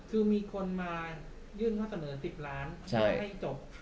คือมีคนมายื่นข้อเสนอ๑๐ล้านเพื่อให้จบ